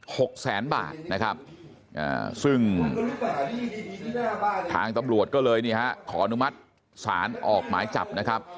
หกแสนบาทนะครับอ่าซึ่งทางตำรวจก็เลยนี่ฮะขออนุมัติศาลออกหมายจับนะครับ